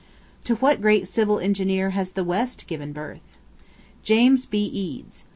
To what great Civil Engineer has the West given birth? James B. Eads.